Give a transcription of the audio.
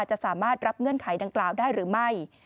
จะสามารถรับเงื่อนไขดังกล่าวได้หรือไม่